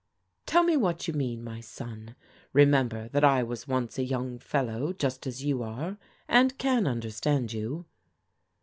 *'Tell me what you mean, my son. Remember that I was once a yotmg feUow just as you are, and can tmder stand you."